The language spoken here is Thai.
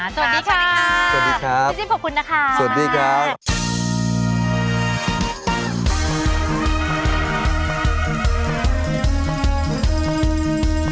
สวัสดีค่ะสวัสดีครับพี่จิ๊บขอบคุณนะคะสวัสดีครับ